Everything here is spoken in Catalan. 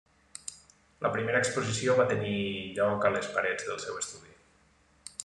La primera exposició va tenir lloc a les parets del seu estudi.